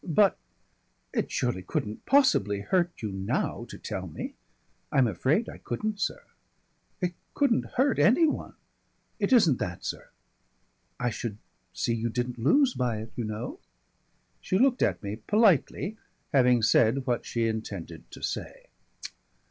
"But! It surely couldn't possibly hurt you now to tell me." "I'm afraid I couldn't, sir." "It couldn't hurt anyone." "It isn't that, sir." "I should see you didn't lose by it, you know." She looked at me politely, having said what she intended to say.